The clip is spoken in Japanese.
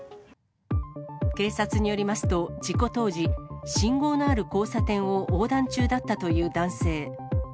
警察によりますと、事故当時、信号のある交差点を横断中だったという男性。